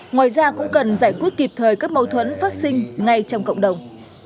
ngoài ra cũng cần giải quyết kịp thời các mâu thuẫn phát sinh ngay trong cộng đồng